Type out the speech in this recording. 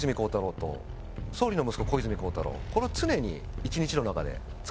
これを常に。